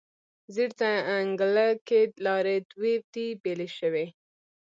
زیړ ځنګله کې لارې دوې دي، بیلې شوې